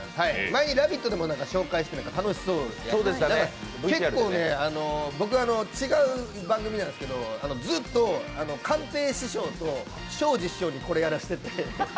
前に「ラヴィット！」でも紹介して結構、僕違う番組なんですけどずっと寛平師匠と正司師匠にこれやらせてて。